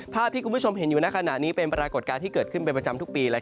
ภาพที่คุณผู้ชมเห็นอยู่ในขณะนี้เป็นปรากฏการณ์ที่เกิดขึ้นเป็นประจำทุกปี